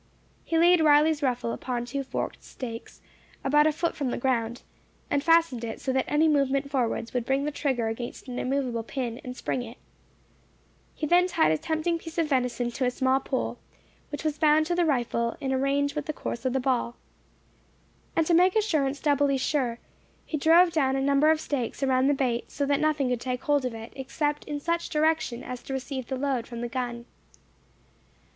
He laid Riley's rifle upon two forked stakes, about a foot from the ground, and fastened it so that any movement forwards would bring the trigger against an immovable pin, and spring it. He then tied a tempting piece of venison to a small pole, which was bound to the rifle in a range with the course of the ball. And to make assurance doubly sure, he drove down a number of stakes around the bait, so that nothing could take hold of it, except in such direction as to receive the load from the gun.